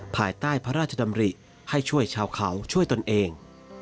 ภายใต้พระราชดำริให้ช่วยชาวเขาช่วยตนเอง